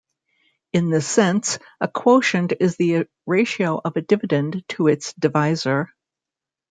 In this sense, a quotient is the ratio of a dividend to its divisor.